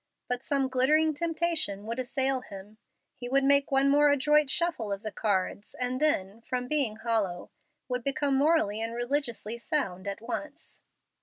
But some glittering temptation would assail him. He would make one more adroit shuffle of the cards, and then, from being hollow, would become morally and religiously sound at once.